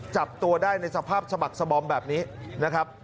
จับตัวได้ในสภาพสบักสบอมแบบนี้นะครับ